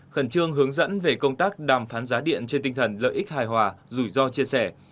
khẩn trương hướng dẫn về công tác đàm phán giá điện trên tinh thần lợi ích hài hòa rủi ro chia sẻ